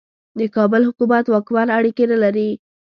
د کابل حکومت واکمن اړیکې نه لري.